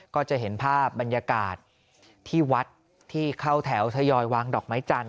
ก็จะเห็นภาพบรรยากาศที่วัดที่เข้าแถวทยอยวางดอกไม้จันท